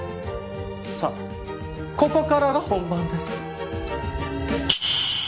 さあここからが本番です。